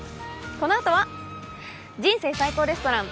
このあとは「人生最高レストラン」。